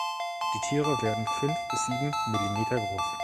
Die Tiere werden fünf bis sieben Millimeter groß.